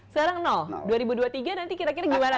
sekarang dua ribu dua puluh tiga nanti kira kira gimana